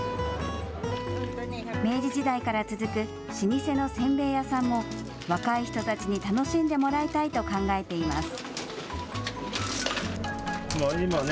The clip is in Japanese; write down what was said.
明治時代から続く老舗のせんべい屋さんも若い人たちに楽しんでもらいたいと考えています。